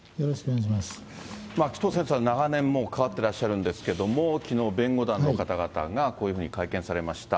紀藤先生はもう長年関わってらっしゃるんですけれども、きのう、弁護団の方々がこういうふうに会見されました。